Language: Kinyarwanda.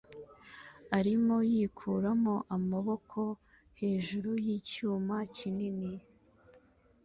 arimo yikuramo amaboko hejuru yicyuma kinini